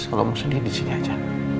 kalo mau sedih disini aja